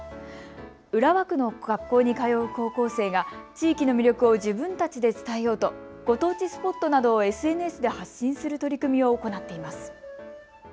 浦和区の学校に通う高校生が地域の魅力を自分たちで伝えようと、ご当地スポットなどをＳＮＳで発信する取り組みを行っています。